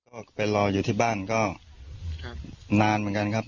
ก็ไปรออยู่ที่บ้านก็นานเหมือนกันครับ